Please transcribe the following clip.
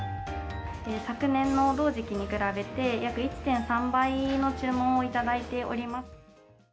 昨年の同時期に比べて、約１．３倍の注文を頂いております。